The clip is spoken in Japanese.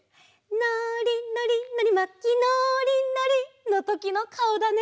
「のーりのりのりまきのーりのり」のときのかおだね！